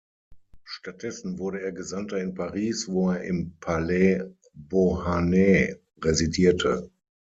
Stattdessen wurde er Gesandter in Paris, wo er im Palais Beauharnais residierte.